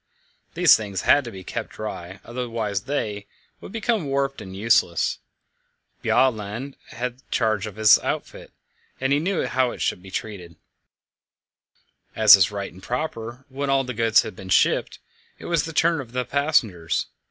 These things had to be kept dry, otherwise they, would become warped and useless. Bjaaland had charge of this outfit, and he knew how it should be treated. As is right and proper, when all the goods had been shipped, it was the turn of the passengers.